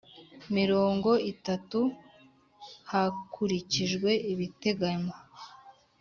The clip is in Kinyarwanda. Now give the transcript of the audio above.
mirongo itatu hakurikijwe ibiteganywa